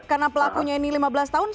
karena pelakunya ini lima belas tahun